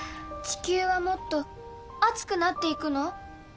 地球はもっと熱くなっていくの？